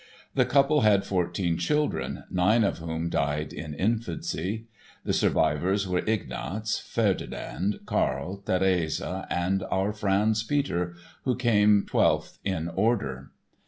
The couple had fourteen children, nine of whom died in infancy. The survivors were Ignaz, Ferdinand, Karl, Therese and our Franz Peter, who came twelfth in order.